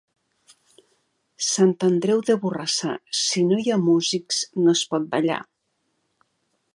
Sant Andreu de Borrassà, si no hi ha músics, no es pot ballar.